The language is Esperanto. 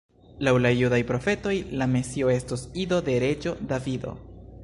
Laŭ la judaj profetoj, la Mesio estos ido de reĝo Davido.